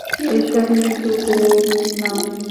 এসব মৃতদের নাম।